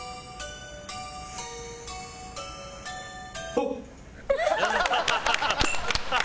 あっ！